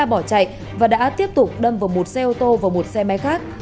xe ô tô đã bỏ chạy và đã tiếp tục đâm vào một xe ô tô và một xe máy khác